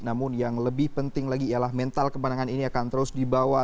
namun yang lebih penting lagi ialah mental kemenangan ini akan terus dibawa